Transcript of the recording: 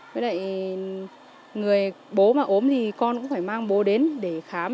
với lại người bố mà ốm thì con cũng phải mang bố đến để khám